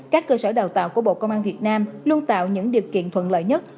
các cơ sở đào tạo của bộ công an việt nam luôn tạo những điều kiện thuận lợi nhất